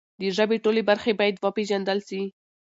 د ژبې ټولې برخې باید وپیژندل سي.